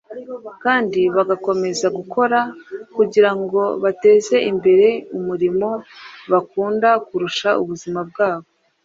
kandi bagakomeza gukora kugira ngo bateze imbere umurimo bakunda kurusha ubuzima ubwabwo.